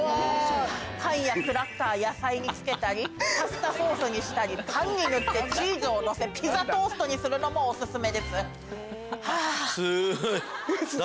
パンやクラッカー野菜につけたりパスタソースにしたりパンに塗ってチーズをのせピザトーストにするのもオススメ。